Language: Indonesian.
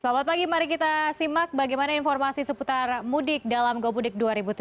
selamat pagi mari kita simak bagaimana informasi seputar mudik dalam gomudik dua ribu tujuh belas